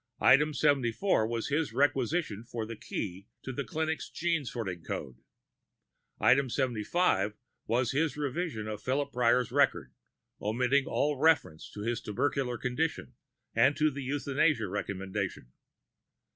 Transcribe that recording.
Item seventy four was his requisition for the key to the clinic's gene sorting code. Item seventy five was his revision of Philip Prior's records, omitting all reference to his tubercular condition and to the euthanasia recommendation.